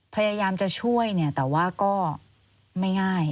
พยายามจะช่วยแต่ว่าก็ไม่ง่าย